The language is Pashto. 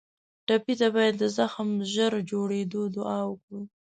ټپي ته باید د زخم ژر جوړېدو دعا وکړو.